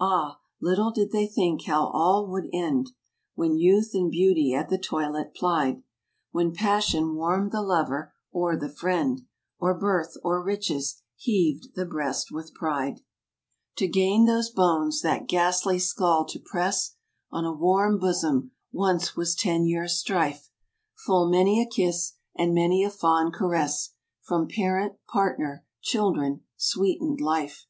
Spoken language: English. Ah, little did they think how all would end, When youth and beauty at the toilet plied; When passion warmed the lover, or the friend; Or birth, or riches, heaved the breast with pride. 8 86 FRANCE. To gain those bones, that ghastly scull to press On a warm bosom, once was ten years' strife; Full many a kiss, and many a fond caress, From parent, partner, children, sweetened life.